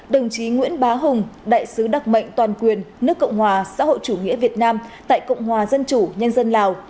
đồng chí nguyễn bá hùng đại sứ đặc mệnh toàn quyền nước cộng hòa xã hội chủ nghĩa việt nam tại cộng hòa dân chủ nhân dân lào